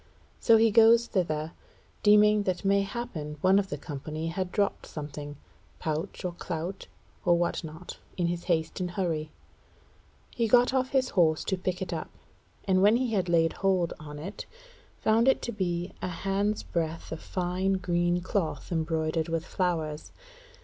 So he goes thither, deeming that mayhappen one of the company had dropped something, pouch or clout, or what not, in his haste and hurry. He got off his horse to pick it up, and when he had laid hand on it found it to be a hands breadth of fine green cloth embroidered with flowers.